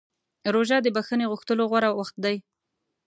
روژه د بښنې غوښتلو غوره وخت دی.